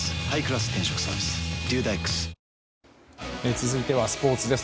続いてはスポーツです。